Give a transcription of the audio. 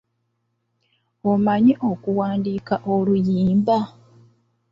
Omanyi okuwandiika oluyimba?